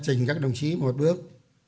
trình các đồng chí một bước